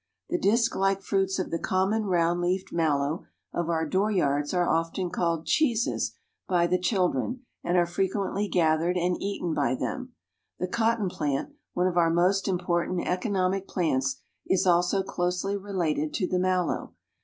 The disk like fruits of the common round leafed Mallow of our dooryards are often called "cheeses" by the children and are frequently gathered and eaten by them. The cotton plant, one of our most important economic plants, is also closely related to the Mallow.